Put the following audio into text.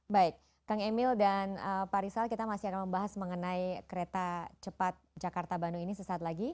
baik kang emil dan pak rizal kita masih akan membahas mengenai kereta cepat jakarta bandung ini sesaat lagi